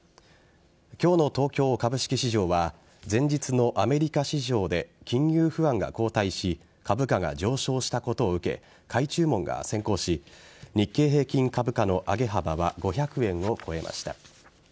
今日の東京株式市場は前日のアメリカ市場で金融不安が後退し株価が上昇したことを受け買い注文が先行し日経平均株価の上げ幅は５００円を超えました。